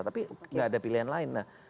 tapi nggak ada pilihan lain